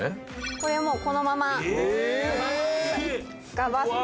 これはもうこのままガバッと。